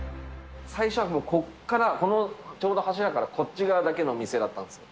最初はここから、このちょうど柱からこっち側だけの店だったんですよ。